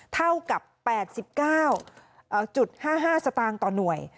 เท่ากับ๘๙๕๕สตางค์ต่อหน่วย